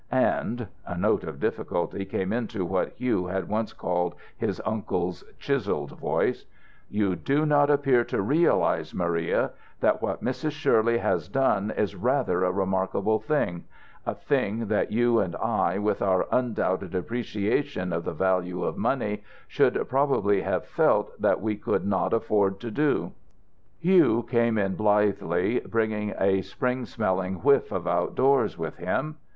And" a note of difficulty came into what Hugh had once called his uncle's chiselled voice "you do not appear to realize, Maria, that what Mrs. Shirley has done is rather a remarkable thing, a thing that you and I, with our undoubted appreciation of the value of money, should probably have felt that we could not afford to do." Hugh came in blithely, bringing a spring smelling whiff of outdoors with him.